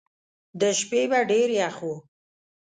د شپې به ډېر یخ وو.